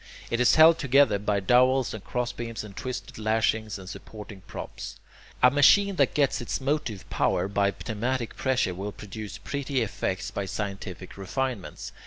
It is held together by dowels and crossbeams and twisted lashings and supporting props. A machine that gets its motive power by pneumatic pressure will produce pretty effects by scientific refinements.